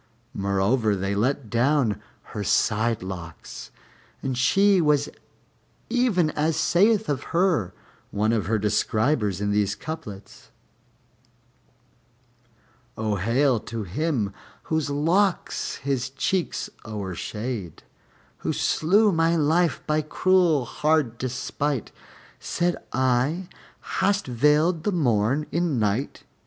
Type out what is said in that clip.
Moreover, they let down her side locks, and she was even as saith of her one of her describers in these couplets: O hail to him whose locks his cheeks o'ershade, Who slew my life by cruel hard despight: Said I, "Hast veiled the Morn in Night?"